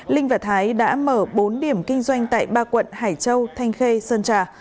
linh và thái đã mở bốn điểm kinh doanh tại ba quận hải châu thanh khê sơn trà